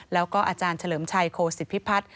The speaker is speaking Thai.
แล้วก็อาจารย์เฉลิมชัยโคศิพิพัฒน์